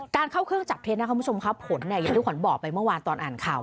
การเข้าเครื่องจับเทศนะครับคุณผู้ชมอย่างทุกคนบอกไปเมื่อวานตอนอ่านข่าว